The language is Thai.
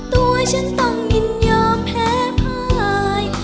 ตัวฉันต้องยินยอมแพ้พาย